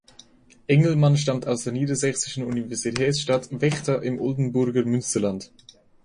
Engelmann stammt aus der niedersächsischen Universitätsstadt Vechta im Oldenburger Münsterland.